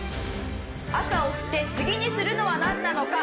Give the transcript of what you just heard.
朝起きて次にするのはなんなのか？